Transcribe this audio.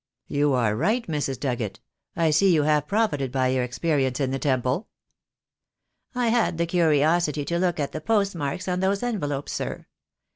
"You are right, Mrs. Dugget. I see you have pro fited by your experience in the Temple." "I had the curiosity to look at the post marks on those envelopes, sir.